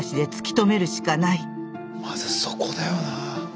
まずそこだよな。